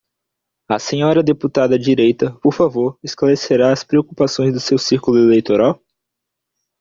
A senhora deputada à direita, por favor, esclarecerá as preocupações do seu círculo eleitoral?